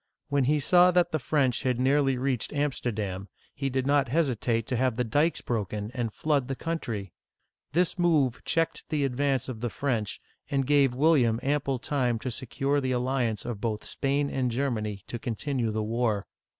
When he saw that the French had nearly reached Am'sterdam, he did not hesitate to have the dikes broken and flood the country ! This move checked the advance of the French, and gave William ample time to secure the alliance of both Spain and Germany to continue the war.